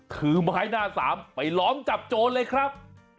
ถือไม้หน้าสามไปล้อมจับโจรเลยครับ